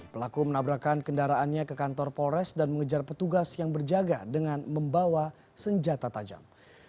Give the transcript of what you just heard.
pelaku menabrakan kendaraannya ke kantor polres dan mengejar petugas yang berjaga dengan membawa senjata tajam